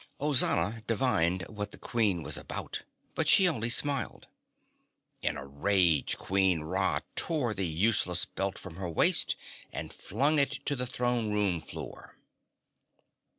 Ozana divined what the Queen was about, but she only smiled. In a rage, Queen Ra tore the useless belt from her waist and flung it to the throne room floor.